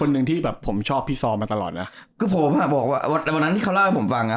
หนึ่งที่แบบผมชอบพี่ซอมาตลอดนะคือผมอ่ะบอกว่าในวันนั้นที่เขาเล่าให้ผมฟังอ่ะ